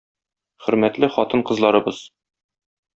Хөрмәтле хатын-кызларыбыз!